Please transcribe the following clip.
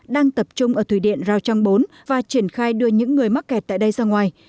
đang tập trung ở thủy điện rào trang bốn và triển khai đưa những người mắc kẹt tại đây ra ngoài